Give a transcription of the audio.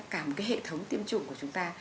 cả một cái hệ thống tiêm chủng của chúng ta